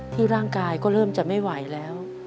ร่างกายก็เริ่มจะไม่ไหวแล้ว